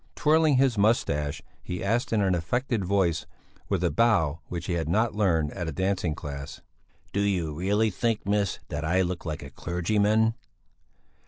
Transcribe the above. Twirling his moustache, he asked in an affected voice, with a bow which he had not learned at a dancing class: "Do you really think, miss, that I look like a clergyman?"